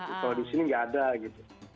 kalau di sini nggak ada gitu